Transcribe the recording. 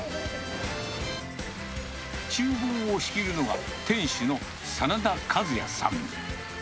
ちゅう房を仕切るのは、店主の眞田一也さん。